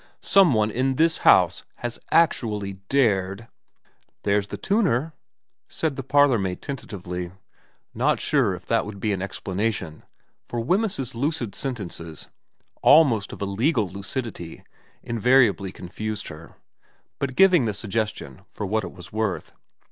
Some one in this house has actually dared ' There's the tuner,' said the parlourmaid tentatively, not sure if that would be an explanation, for Wemyss's lucid sentences, almost of a legal lucidity, invariably confused her, but giving the suggestion for what it was worth.